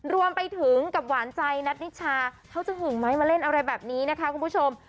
รวมไปถึงกับหวานใจนัทนิชาเขาจะหึงไหมมาเล่นอะไรแบบนี้นะคะคุณผู้ชม